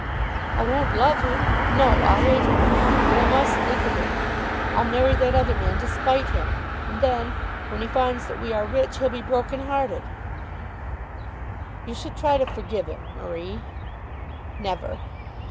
I won't love him. No; I'll hate him. But I must think of him. I'll marry that other man to spite him, and then, when he finds that we are rich, he'll be broken hearted." "You should try to forgive him, Marie." "Never.